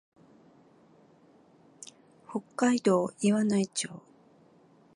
北海道岩内町